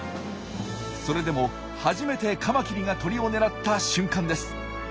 それでも初めてカマキリが鳥を狙った瞬間です。